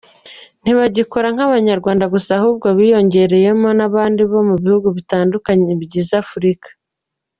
Ntibagikora nk’Abanyarwanda gusa ahubwo biyongereyemo n’abandi bo mu bihugu bitandukanye bigize Afurika.